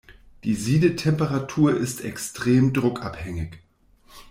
Die Siedetemperatur ist extrem druckabhängig.